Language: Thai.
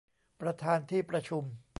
ประธานที่ประชุม